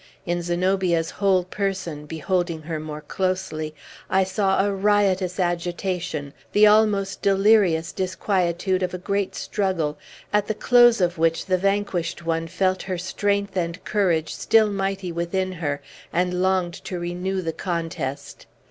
In Zenobia's whole person, beholding her more closely, I saw a riotous agitation; the almost delirious disquietude of a great struggle, at the close of which the vanquished one felt her strength and courage still mighty within her, and longed to renew the contest.